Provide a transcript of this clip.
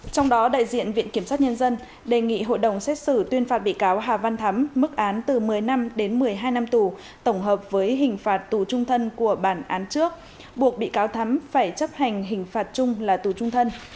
trong đó đại diện viện kiểm sát nhân dân đề nghị hội đồng xét xử tuyên phạt bị cáo hà văn thắm mức án từ một mươi năm đến một mươi hai năm tù tổng hợp với hình phạt tù trung thân của bản án trước buộc bị cáo thắm phải chấp hành hình phạt chung là tù trung thân